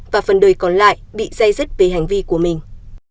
và phần đời còn lại bị dây dứt về hành vi của mình